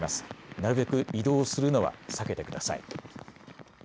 なるべく移動するのは避けてください。